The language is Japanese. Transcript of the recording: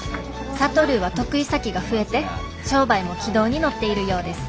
「智は得意先が増えて商売も軌道に乗っているようです」。